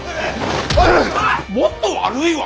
もっと悪いわ！